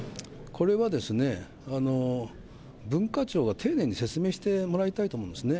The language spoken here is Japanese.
これはですね、文化庁は丁寧に説明してもらいたいと思うんですね。